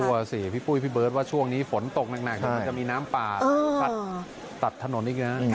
กลัวสิพี่ปุ้ยพี่เบิร์ทว่าช่วงนี้ฝนตกหนักจะมีน้ำปลาตัดถนนอีกนะ